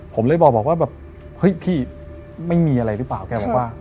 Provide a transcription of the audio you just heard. ผมเลยบอกว่าแบบเฮ้ยพี่ไม่มีอะไรหรือเปล่าแกบอกว่า